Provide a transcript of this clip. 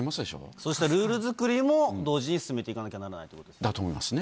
そうしたルール作りも同時に進めていかなければならないということですね。